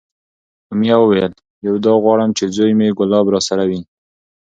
امیه وویل: یو دا غواړم چې زوی مې کلاب راسره وی،